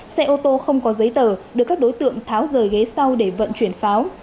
xe ô tô không có giấy tờ được các đối tượng tháo rời ghế sau để vận chuyển pháo